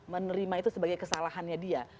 menerima itu sebagai kesalahannya dia